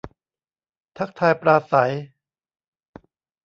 ทักทายปราศรัย